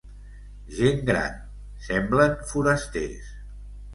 Gent gran; semblen forasters.